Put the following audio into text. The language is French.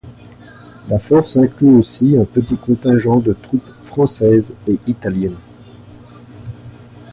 La Force inclut aussi un petit contingent de troupes françaises et italiennes.